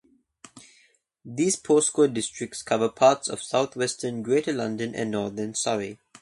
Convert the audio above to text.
These postcode districts cover parts of southwestern Greater London and northern Surrey.